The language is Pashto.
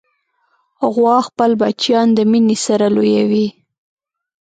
غوا خپل بچیان د مینې سره لویوي.